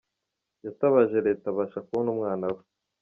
Yatabaje Leta abasha kubona umwana we .